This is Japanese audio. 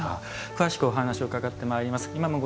詳しくお話を伺ってまいります。